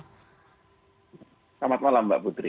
selamat malam mbak putri